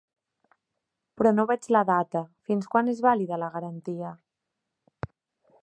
Però no veig la data, fins quan és vàlida la garantia?